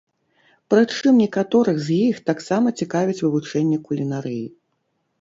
Прычым некаторых з іх таксама цікавіць вывучэнне кулінарыі.